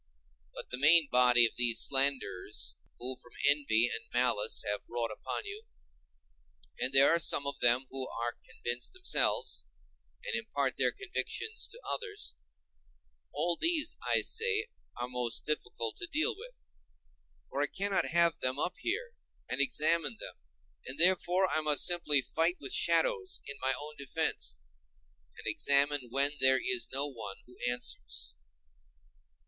But the main body of these slanderers who from envy and malice have wrought upon you—and there are some of them who are convinced themselves, and impart their convictions to others—all these, I say, are most difficult to deal with; for I cannot have them up here, and examine them, and therefore I must simply fight with shadows in my own defence, and examine when there is no one who answers.